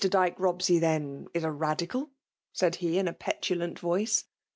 Djke Bobaey, then, is a BadicaU" $ai(k hev in a petulant voice.